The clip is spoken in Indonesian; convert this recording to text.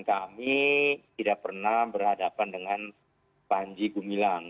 kami tidak pernah berhadapan dengan panji gumilang